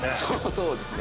そうですね。